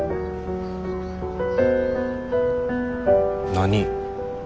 何？